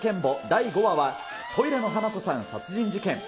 第５話は、トイレの花子さん殺人事件。